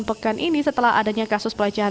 pekan ini setelah adanya kasus pelecehan